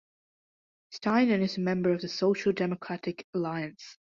Steinunn is a member of The Social Democratic Alliance.